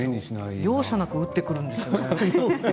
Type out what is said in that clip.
容赦なく撃ってくるんですよね。